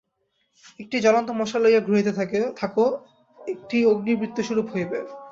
একটি জ্বলন্ত মশাল লইয়া ঘুরাইতে থাক, একটি অগ্নির বৃত্তস্বরূপ হইবে।